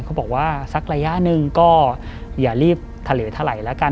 เขาบอกว่าสักระยะหนึ่งก็อย่ารีบทะเลเท่าไหร่แล้วกัน